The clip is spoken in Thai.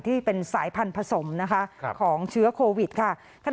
ที่เป็นสายพันธุ์ผสมนะคะของเชื้อโควิดค่ะ